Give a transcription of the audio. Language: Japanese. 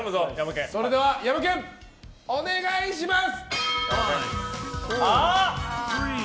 それではヤマケンお願いします！